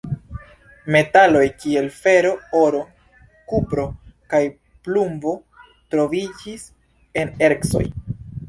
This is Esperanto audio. Metaloj kiel fero, oro, kupro kaj plumbo troviĝis en ercoj.